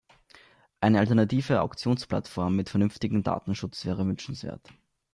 Eine alternative Auktionsplattform mit vernünftigem Datenschutz wäre wünschenswert.